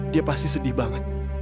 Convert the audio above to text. dia pasti sedih banget